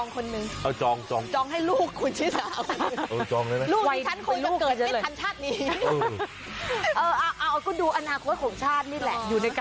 ก็ดูอนาคตของชาตินี่แหละ